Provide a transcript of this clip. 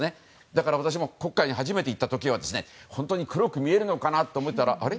だから私も黒海に初めて行った時は本当に黒く見えるのかと思ったらあれ？